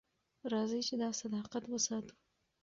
راځئ چې دا صداقت وساتو.